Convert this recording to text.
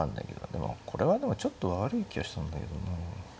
でもこれはでもちょっと悪い気がしたんだけどな。